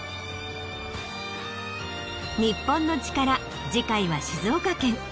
『日本のチカラ』次回は静岡県。